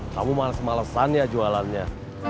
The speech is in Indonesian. kamu males malesan ya jualannya